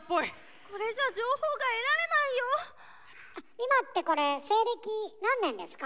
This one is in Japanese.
今ってこれ西暦何年ですか？